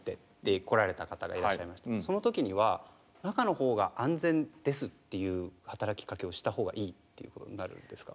その時には「中のほうが安全です」っていう働きかけをしたほうがいいっていうことになるんですか？